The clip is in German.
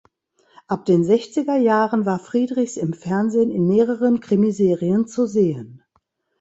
Ab den Sechziger Jahren war Friedrichs im Fernsehen in mehreren Krimiserien zu sehen.